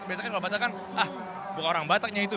biasanya orang batak kan ah bukan orang bataknya itu